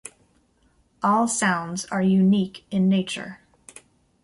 All sounds are unique in nature.